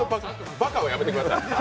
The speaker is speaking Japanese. ばかはやめてください。